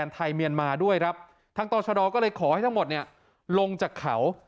ไทยเมียนมาด้วยครับทางต่อชะดอก็เลยขอให้ทั้งหมดเนี่ยลงจากเขา